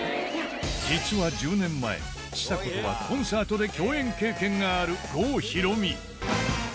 実は１０年前ちさ子とはコンサートで共演経験がある郷ひろみ